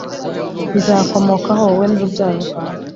Bizakomokaho wowe n urubyaro rwawe